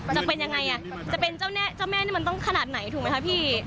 จะเป็นยังไงอ่ะจะเป็นเจ้าแม่นี่มันต้องขนาดไหนถูกไหมคะพี่